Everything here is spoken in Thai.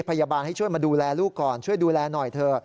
พยาบาลให้ช่วยมาดูแลลูกก่อนช่วยดูแลหน่อยเถอะ